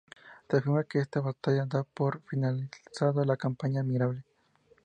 Se afirma que este batalla da por finalizado la Campaña Admirable.